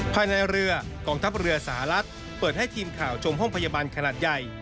ภายในเรือกองทัพเรือสหรัฐเปิดให้ทีมข่าวชมห้องพยาบาลขนาดใหญ่